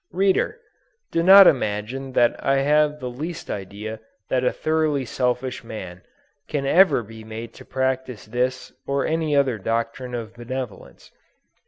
Reader! do not imagine that I have the least idea that a thoroughly selfish man, can ever be made to practice this or any other doctrine of benevolence.